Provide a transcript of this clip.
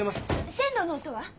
線路の音は？